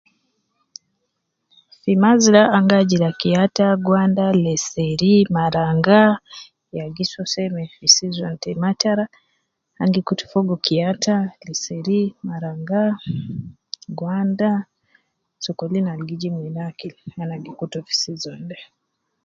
Fi mazra angi ajira kiyata, gwanda ,lesheri, marangwa ya gisoo seme fi season te matara, angi kutu fogo kiyata, lisheri, marangwa, gwanda, sokolin ab gijibu nena akil ana gikutu fi season de